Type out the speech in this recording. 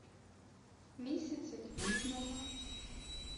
Місяця квітного